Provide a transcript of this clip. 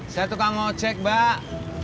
saya tukang ojek mbak